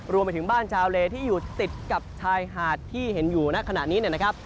รวมไปถึงบ้านชาวเลที่อยู่ติดกับชายหาดที่เห็นอยู่ณขณะนี้นะครับ